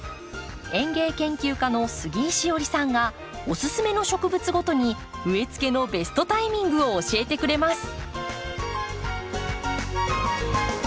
園芸研究家の杉井志織さんがおすすめの植物ごとに植えつけのベストタイミングを教えてくれます。